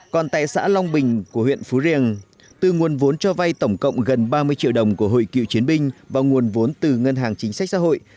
còn tại xã long bình của huyện phú riềng từ nguồn vốn cho vay tổng cộng gần ba mươi triệu đồng của hội cựu chiến binh và nguồn vốn từ ngân hàng chính sách xã hội